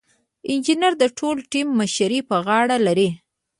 انجینر د ټول ټیم مشري په غاړه لري.